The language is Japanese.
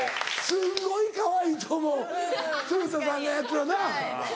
すんごいかわいいと思う鶴田さんがやったらなぁ。